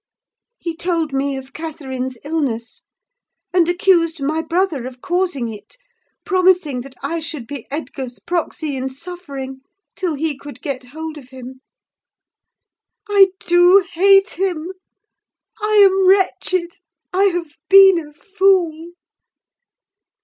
He told me of Catherine's illness, and accused my brother of causing it; promising that I should be Edgar's proxy in suffering, till he could get hold of him. I do hate him—I am wretched—I have been a fool!